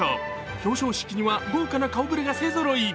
表彰式には豪華な顔ぶれが勢ぞろい。